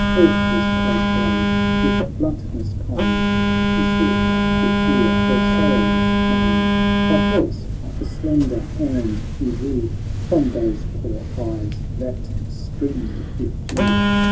Thoughtless as brave, with bluntn<ws kind He sought to cheer the sorrower's mind ; By force the slender hand he drew From those poor eyes that streamed with dew.